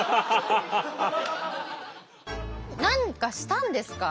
何かしたんですか？